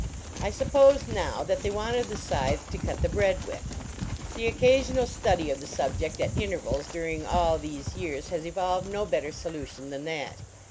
I suppose now, that they wanted the scythe to cut the bread with ; the occasional study of the subject at intervals during all these years has evolved no better solution than that.